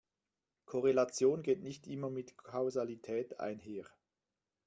Korrelation geht nicht immer mit Kausalität einher.